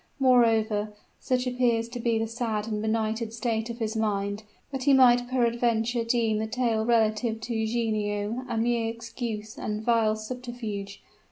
Moreover, such appears to be the sad and benighted state of his mind, that he might peradventure deem the tale relative to Eugenio a mere excuse and vile subterfuge.